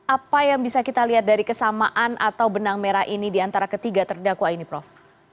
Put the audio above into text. apa yang bisa kita lihat dari kesamaan atau benang merah ini di antara ketiga terdakwa ini prof